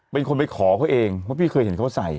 เป็นคนไปขอเขาเองเพราะพี่เคยเห็นเขาใส่